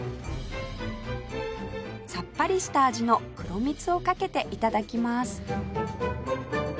さっぱりした味の黒蜜をかけて頂きます